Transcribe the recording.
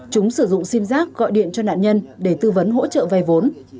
chúng sử dụng sim giác gọi điện cho nạn nhân để tư vấn hỗ trợ vay vốn